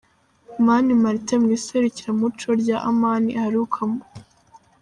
Mani Martin mu iserukiramuco rya Amani aherukamo.